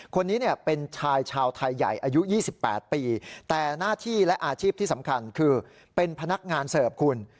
คนนี้เป็นชายชาวไทยใหญ่อายุ๒๘ปีแต่หน้าที่และอาชีพที่สำคัญคือเป็นพนักงานเสิร์ฟคุณ